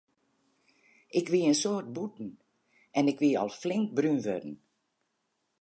Ik wie in soad bûten en ik wie al flink brún wurden.